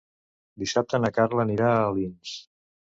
Dissabte na Carla anirà a Alins.